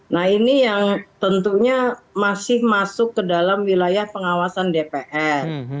nah ini yang tentunya masih masuk ke dalam wilayah pengawasan dpr